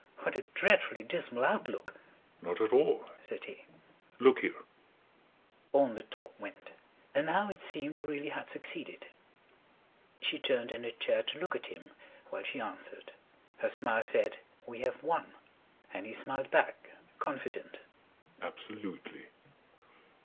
"What a dreadfully dismal outlook." [Page 152] "Not at all," said he. "Look here ..." On the talk went. And now it seemed they really had succeeded. She turned in her chair to look at him while she answered. Her smile said: "We have won." And he smiled back, confident: "Absolutely."